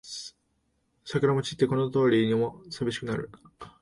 桜も散ってこの通りもさびしくなるな